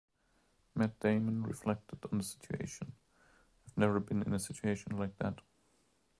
Matt Damon reflected on the situation: I've never been in a situation like that.